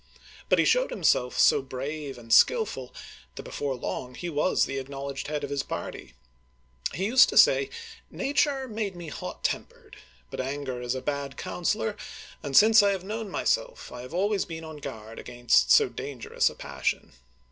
But he showed himself so brave and skillful that before long he was the acknowledged head of his party. He used to say, Na ture made me hot tempered, but anger is a bad counselor, and since I have known myself, I have always been on guard against so dangerous a passion."